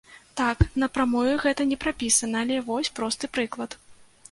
Так, на прамую гэта не прапісана, але вось просты прыклад.